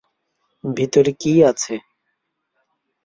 ভিতরে কী আছে?